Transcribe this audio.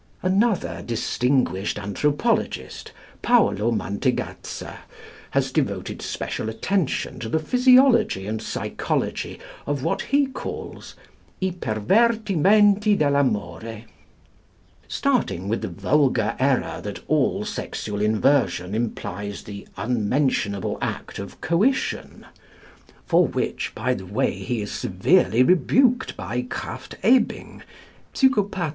" Another distinguished anthropologist, Paolo Mantegazza, has devoted special attention to the physiology and psychology of what he calls "I pervertimenti dell'amore." Starting with the vulgar error that all sexual inversion implies the unmentionable act of coition (for which, by the way, he is severely rebuked by Krafft Ebing, Psy.